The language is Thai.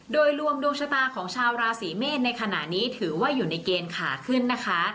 โดยรวมดวงชะตาของชาวราศีเมษในขณะนี้ถือว่าอยู่ในเกณฑ์ขาขึ้นนะคะ